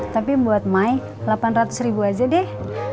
tapi buat mike delapan ratus ribu aja deh